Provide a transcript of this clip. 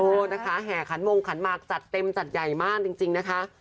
นะคะแห่ขันมงขันหมากจัดเต็มจัดใหญ่มากจริงนะคะ